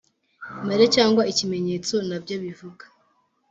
imibare cyangwa ikimenyetso nabyo bivuga.